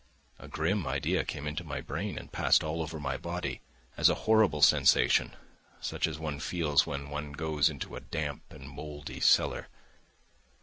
A grim idea came into my brain and passed all over my body, as a horrible sensation, such as one feels when one goes into a damp and mouldy cellar.